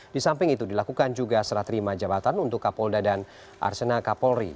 di samping itu dilakukan juga seraterima jabatan untuk kapolda dan arsena kapolri